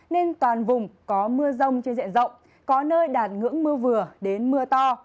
nên toàn vùng có mưa rông trên diện rộng có nơi đạt ngưỡng mưa vừa đến mưa to